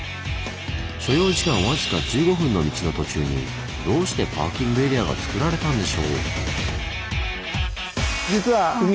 所要時間僅か１５分の道の途中にどうしてパーキングエリアがつくられたんでしょう？